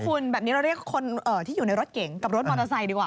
คุณแบบนี้เราเรียกคนที่อยู่ในรถเก๋งกับรถมอเตอร์ไซค์ดีกว่า